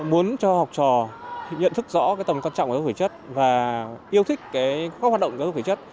muốn cho học trò nhận thức rõ tầm quan trọng của giáo dục thể chất và yêu thích các hoạt động giáo dục thể chất